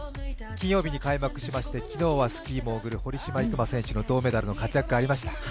金曜日に開幕しまして昨日はスキーモーグル、堀島行真選手の銅メダルの活躍がありました。